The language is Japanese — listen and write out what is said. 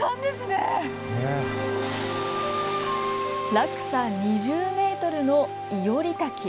落差２０ｍの庵滝。